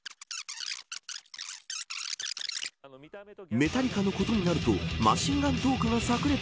メタリカのことになるとマシンガントークがさく裂。